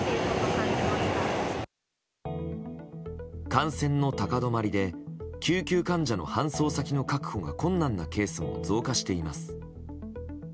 感染の高止まりで救急患者の搬送先の確保が困難なケースも増加しています。